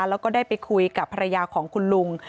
แล้วก็ก็ได้ไปคุยกับฮคุณลุง